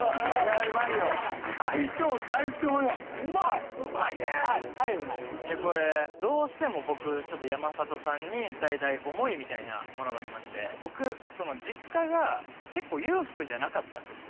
そりゃうまいよはいはいうまいこれどうしても僕ちょっと山里さんに伝えたい思いみたいなものがありまして僕実家が結構裕福じゃなかったんですよ